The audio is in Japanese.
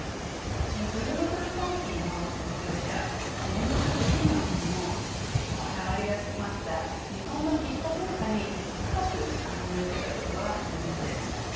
ブルーボトルコーヒーの創業者ジェームス・フリーマン氏もこだわりが詰まった日本の喫茶文化に深く感銘を受けたことは有名です。